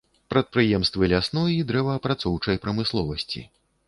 Прадпрыемствы лясной і дрэваапрацоўчай прамысловасці.